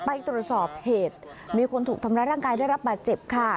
ไปตรวจสอบเหตุมีคนถูกทำร้ายร่างกายได้รับบาดเจ็บค่ะ